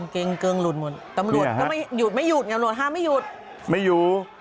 เกงเกริงลุนมนตำรวจแบบไม่หยุดห้ามอยู่